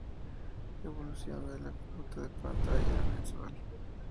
Evolución de la cuota de pantalla mensual.